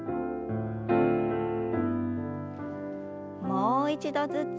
もう一度ずつ。